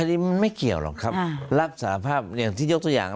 อันนี้มันไม่เกี่ยวหรอกครับรับสารภาพอย่างที่ยกตัวอย่าง